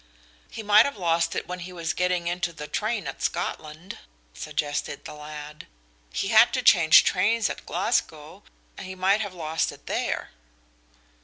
"He might have lost it when he was getting into the train at Scotland," suggested the lad. "He had to change trains at Glasgow he might have lost it there."